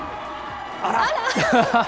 あら。